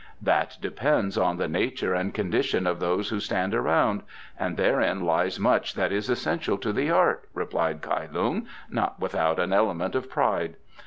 "That depends on the nature and condition of those who stand around, and therein lies much that is essential to the art," replied Kai Lung, not without an element of pride.